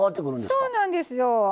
そうなんですよ。